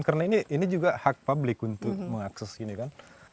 karena ini juga hak publik untuk mengakses ini kan